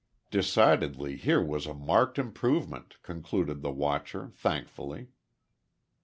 Decidedly here was a marked improvement, concluded the watcher, thankfully.